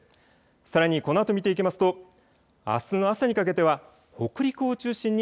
さらにこのあと見ていきますとあすの朝にかけては北陸を中心に